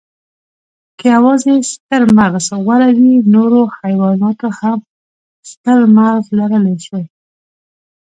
که یواځې ستر مغز غوره وی، نورو حیواناتو هم ستر مغز لرلی شوی.